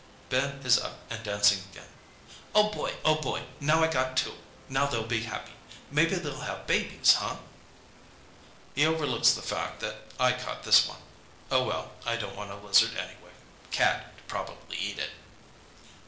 Ben is up and dancing again. "Oh, boy, oh, boy! Now I got two! Now they'll be happy! Maybe they'll have babies, huh?" He overlooks the fact that I caught this one. Oh, well, I don't want a lizard, anyway. Cat'd probably eat it.